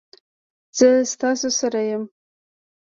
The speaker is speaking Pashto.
زه ستاسو سره یم